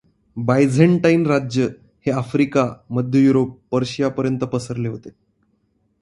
Byzantine राज्य हे Africa, मध्य युरोप, पर्शियापर्यंत पसरले होते.